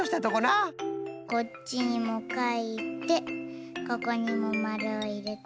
こっちにもかいてここにもまるをいれて。